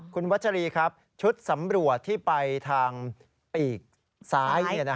คุณวัชรีครับชุดสำรวจที่ไปทางปีกซ้าย